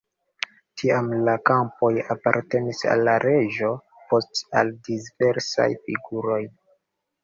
Tiam la kampoj apartenis al la reĝo, poste al diversaj figuroj.